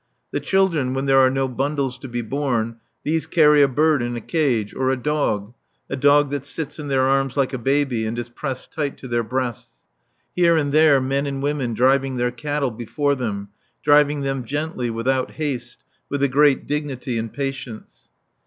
The children when there are no bundles to be borne these carry a bird in a cage, or a dog, a dog that sits in their arms like a baby and is pressed tight to their breasts. Here and there men and women driving their cattle before them, driving them gently, without haste, with a great dignity and patience.